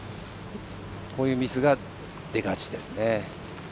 こういうミスが出がちですね。